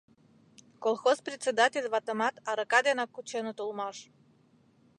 Колхоз председатель ватымат арака денак кученыт улмаш.